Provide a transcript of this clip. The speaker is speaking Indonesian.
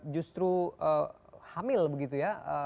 justru hamil begitu ya